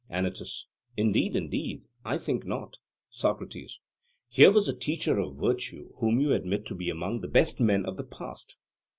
ANYTUS: Indeed, indeed, I think not. SOCRATES: Here was a teacher of virtue whom you admit to be among the best men of the past.